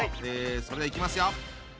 それではいきますよ。